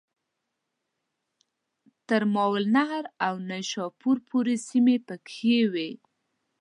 تر ماوراءالنهر او نیشاپور پوري سیمي پکښي وې.